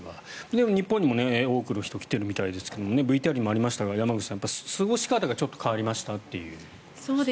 でも、日本にも多くの人が来ているみたいですがＶＴＲにもありましたが山口さん、過ごし方がちょっと変わりましたという。